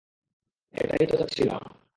এটাই তো চাচ্ছিলাম।